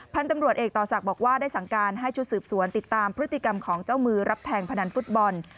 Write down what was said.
พันธุ์ตำรวจเอกต่อศักดิ์บอกว่าได้สั่งการให้ชุดสืบสวนติดตามพฤติกรรมของเจ้ามือรับแทงพนันฟุตบอล